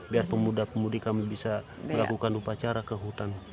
biar pemuda pemudi kami bisa melakukan upacara ke hutan